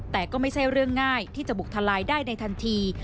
แต่ก็ไม่ใช่เรื่องง่ายที่จะบุกทลายได้ในทันที